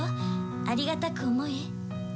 ありがたく思え。